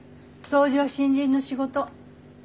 掃除は新人の仕事。